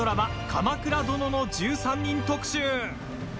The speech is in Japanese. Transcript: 「鎌倉殿の１３人」特集。